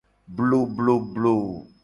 Blobloblo.